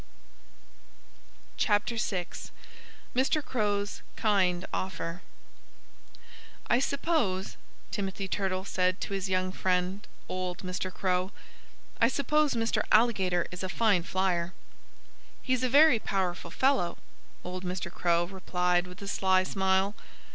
VI MR. CROW'S KIND OFFER "I suppose " Timothy Turtle said to his young friend, old Mr. Crow "I suppose Mr. Alligator is a fine flier." "He's a very powerful fellow," old Mr. Crow replied with a sly smile.